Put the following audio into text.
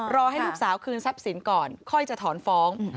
ให้ลูกสาวคืนทรัพย์สินก่อนค่อยจะถอนฟ้อง